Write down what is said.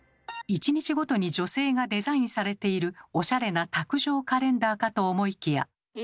１日ごとに女性がデザインされているおしゃれな卓上カレンダーかと思いきや。